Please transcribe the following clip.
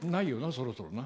そろそろな。